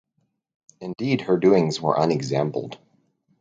Indeed her doings are unexampled.